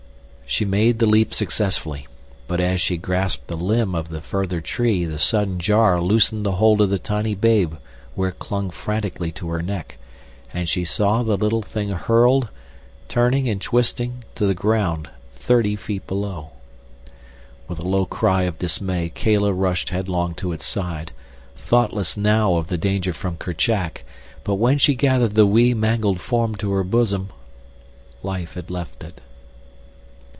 She made the leap successfully, but as she grasped the limb of the further tree the sudden jar loosened the hold of the tiny babe where it clung frantically to her neck, and she saw the little thing hurled, turning and twisting, to the ground thirty feet below. With a low cry of dismay Kala rushed headlong to its side, thoughtless now of the danger from Kerchak; but when she gathered the wee, mangled form to her bosom life had left it.